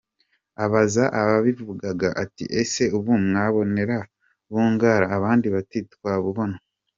Abaza ababivugaga ati «Ese ubu mwambonera Bungura?» Abandi bati «Twamubona».